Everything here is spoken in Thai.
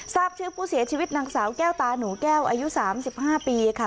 ทราบชื่อผู้เสียชีวิตนางสาวแก้วตาหนูแก้วอายุ๓๕ปีค่ะ